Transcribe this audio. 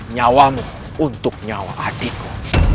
nyawamu untuk nyawa adikku